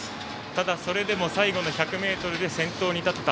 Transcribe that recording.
ただ、それでも最後の１００ｍで先頭に立てた。